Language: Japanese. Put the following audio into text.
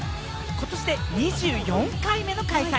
ことしで２４回目の開催。